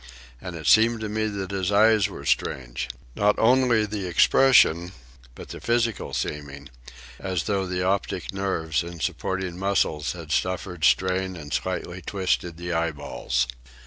And it seemed to me that his eyes were strange, not only the expression, but the physical seeming, as though the optic nerves and supporting muscles had suffered strain and slightly twisted the eyeballs.